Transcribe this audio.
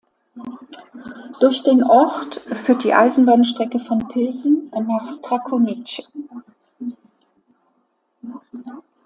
Durch den Ort führt die Eisenbahnstrecke von Pilsen nach Strakonice.